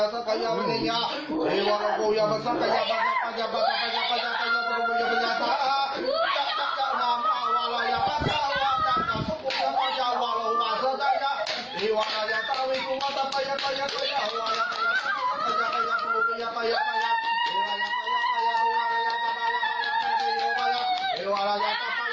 จังหายเหลือสร้างเหลือเดินเหลือจำยา